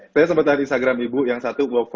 saya sempet tahan instagram ibu yang satu